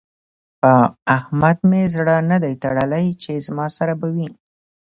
په احمد مې زړه نه دی تړلی چې زما سره به وي.